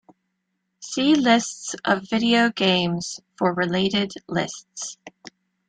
See Lists of video games for related lists.